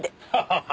ハハハ